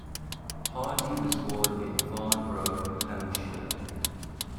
Hardy was born in Farnborough, Hampshire.